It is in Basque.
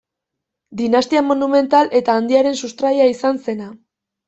Dinastia monumental eta handiaren sustraia izan zena.